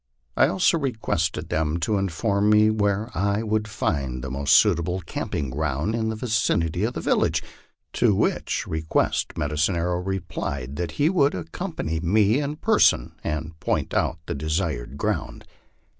I also requested them to inform me where I would find the most suitable camping ground in the vicinity of the village, to which request Medicine Arrow replied that he would ac company me in person and point out the desired ground.